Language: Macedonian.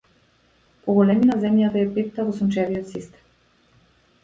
По големина земјата е петта во сончевиот систем.